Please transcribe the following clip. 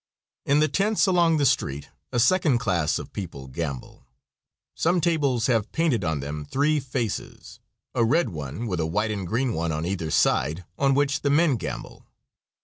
In the tents along the street a second class of people gamble. Some tables have painted on them three faces a red one, with a white and green one on either side on which the men gamble.